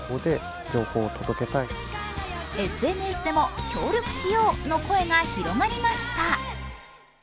ＳＮＳでも協力しようの声が広がりました。